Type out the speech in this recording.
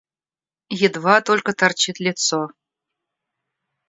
Едва только торчит лицо.